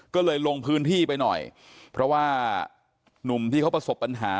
ก็เลยลงพื้นที่ไปหน่อยเพราะว่าหนุ่มที่เขาประสบปัญหา